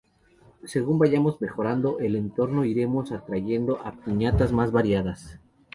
Según vayamos mejorando el entorno iremos atrayendo a piñatas más variadas.